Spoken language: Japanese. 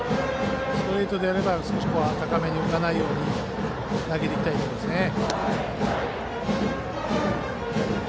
ストレートであれば高めに浮かないように投げていきたいですね。